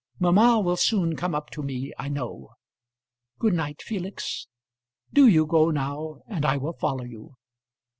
Mamma will soon come up to me, I know. Good night, Felix. Do you go now, and I will follow you."